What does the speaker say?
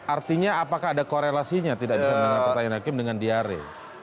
artinya apakah ada korelasinya tidak bisa mendengar pertanyaan hakim dengan diare